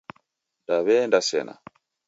Daw'eenda sena?